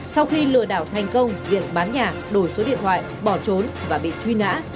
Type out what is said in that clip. sau khi lừa đảo thành công việc bán nhà đổi số điện thoại bỏ trốn và bị truy nã